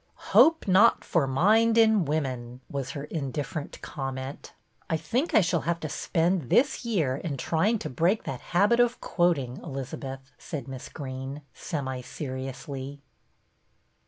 "' Hope not for mind in women,' " was her indifferent comment. " I think I shall have to spend this year in trying to break that habit of quot ing, Elizabeth," said Miss Greene, semi seriously.